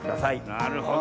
なるほど。